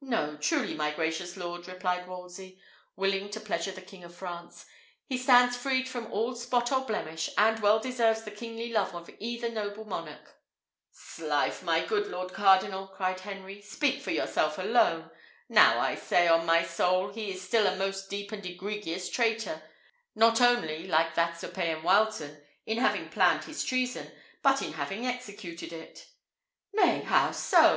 "No, truly, my gracious lord," replied Wolsey, willing to pleasure the King of France. "He stands freed from all spot or blemish, and well deserves the kingly love of either noble monarch." "'Slife! my good lord cardinal," cried Henry, "speak for yourself alone! Now, I say, on my soul, he is still a most deep and egregious traitor; not only, like that Sir Payan Wileton, in having planned his treason, but in having executed it." "Nay, how so?"